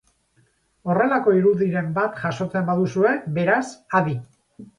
Horrelako irudiren bat jasotzen baduzue, beraz, adi!